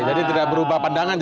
jadi tidak berubah pandangan